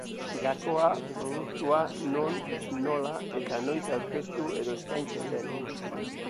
Gakoa produktua non, nola eta noiz aurkeztu edo eskaintzen den.